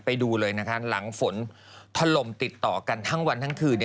ไปดูเลยนะคะหลังฝนถล่มติดต่อกันทั้งวันทั้งคืน